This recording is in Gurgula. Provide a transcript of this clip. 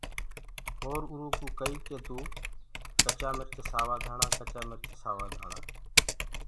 اور اُرو ڪوُ تو ڪئيٚ ڪي چآ مِرچ سوآ ڌآڻآ ڪچآ مرچ سوآ ڌآڻآ۔